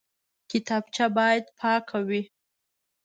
کتابچه باید پاکه وي